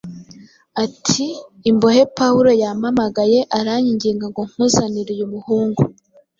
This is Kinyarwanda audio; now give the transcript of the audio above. ati “Imbohe Pawulo yampamagaye, aranyinginga ngo nkuzanire uyu muhungu